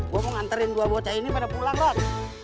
gue mau nganterin dua bocah ini pada pulang rok